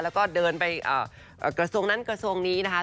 แล้วก็เดินไปกระทรวงนั้นกระทรวงนี้นะคะ